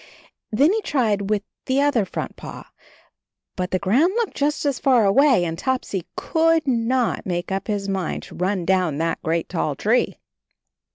Then he tried with the other front paw, but the ground looked just as far away — and Topsy covM not make up his mind to run down that great tall tree.